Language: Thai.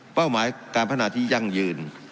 หมายการพัฒนาที่ยั่งยืน